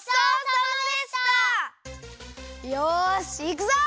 よしいくぞ！